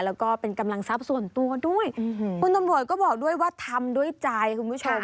แล้วก็เป็นกำลังทรัพย์ส่วนตัวด้วยคุณตำรวจก็บอกด้วยว่าทำด้วยใจคุณผู้ชม